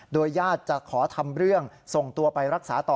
โดยญาติจะขอทำเรื่องส่งตัวไปรักษาต่อ